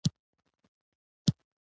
محمد عامِر یو چټک بالر دئ.